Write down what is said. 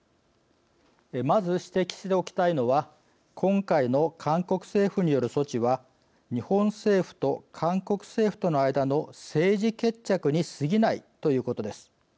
まず指摘しておきたいのは今回の韓国政府による措置は日本政府と韓国政府との間の政治決着にすぎないということです。